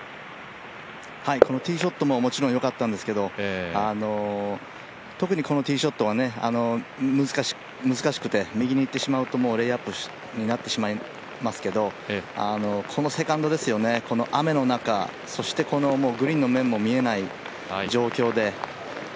このティーショットももちろん良かったんですけど特にこのティーショットは、難しくて右にいってしまうとレイアップになってしまいますけど、このセカンドですよね、この雨の中、そしてこのグリーンの面も見えない状況で。